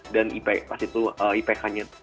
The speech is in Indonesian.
dan ipk nya empat